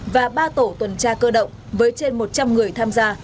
và ba tổ tuần tra cơ động với trên một trăm linh người tham gia